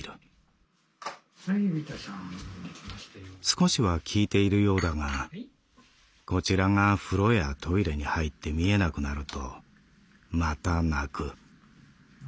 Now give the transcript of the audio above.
「少しは効いているようだがこちらが風呂やトイレに入って見えなくなるとまた鳴く。